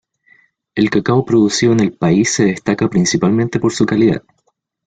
El cacao producido en el país se destaca principalmente por su calidad.